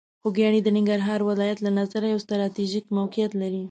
خوږیاڼي د ننګرهار ولایت له نظره یوه ستراتیژیکه موقعیت لري.